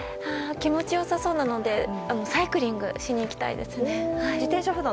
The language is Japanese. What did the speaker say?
気持ち良さそうなのでサイクリングしに行きたいですね。